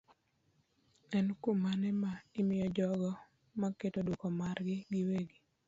en kum mane ma imiyo jogo maketo duoko margi giwegi.